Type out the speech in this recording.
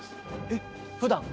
えっふだん？